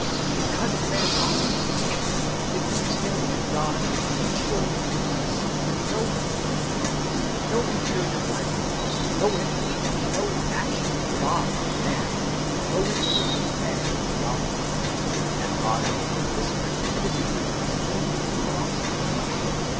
It cuts man off from prayer. It leaves him and God in mutual remoteness, with no intimate commerce, no interior dialogue, no interchange, no action of God in man, no return of man to God. At bottom this pretended religion is only a philosophy.